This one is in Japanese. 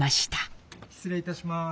失礼いたします。